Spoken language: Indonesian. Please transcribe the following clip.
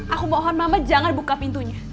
aku mohon mama jangan buka pintunya